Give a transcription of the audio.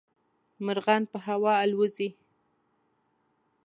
مرغان په هوا الوزي.